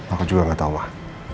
aku juga gak tahulah